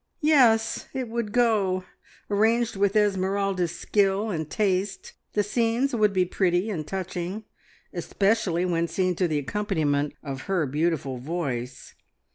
Yes, it would go; arranged with Esmeralda's skill and taste the scenes would be pretty and touching, especially when seen to the accompaniment of her beautiful voice.